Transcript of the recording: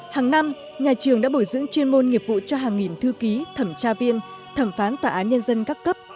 hàng năm nhà trường đã bồi dưỡng chuyên môn nghiệp vụ cho hàng nghìn thư ký thẩm tra viên thẩm phán tòa án nhân dân các cấp